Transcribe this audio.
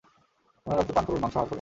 উনার রক্ত পান করুন, মাংস আহার করুন!